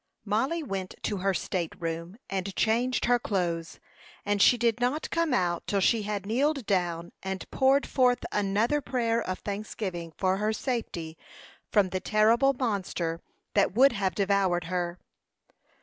Mollie went to her state room, and changed her clothes; and she did not come out till she had kneeled down and poured forth another prayer of thanksgiving for her safety from the horrible monster that would have devoured her.